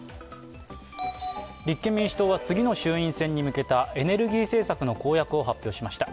立憲民主党は次の衆院選に向けたエネルギー政策の公約を発表しました。